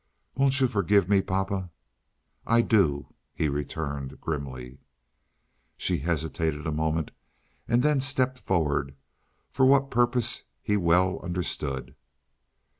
"Won't you forgive me, Papa?" "I do," he returned grimly. She hesitated a moment, and then stepped forward, for what purpose he well understood.